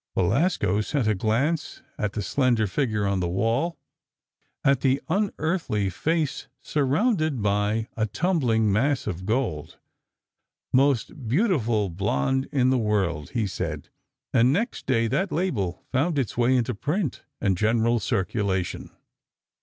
Belasco sent a glance at the slender figure on the wall, at the unearthly face surrounded by a tumbling mass of gold. "Most beautiful blonde in the world," he said, and next day that label found its way into print and general circulation.